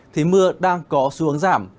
thì mưa đang có xu hướng giảm